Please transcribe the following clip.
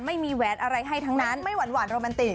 ไม่มีแวดอะไรให้ทั้งนั้นไม่หวานหวานโรแมนติก